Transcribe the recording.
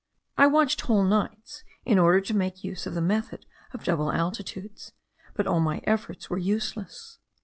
I watched whole nights in order to make use of the method of double altitudes; but all my efforts were useless.